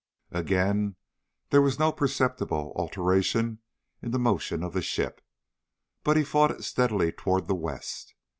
Again there was no perceptible alteration in the motion of the ship, but he fought it steadily toward the west.